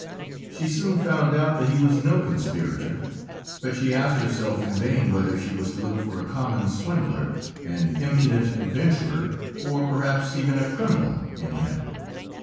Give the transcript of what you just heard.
She soon found out that he was no conspirator, but she asked herself in vain whether she was to look for a common swindler, an impudent adventurer or perhaps even a criminal in him.